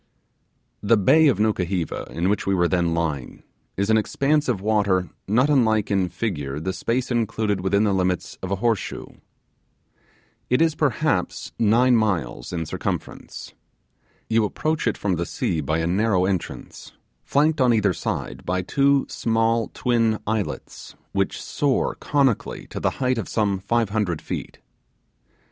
The bay of Nukuheva in which we were then lying is an expanse of water not unlike in figure the space included within the limits of a horse shoe. It is, perhaps, nine miles in circumference. You approach it from the sea by a narrow entrance, flanked on each side by two small twin islets which soar conically to the height of some five hundred feet.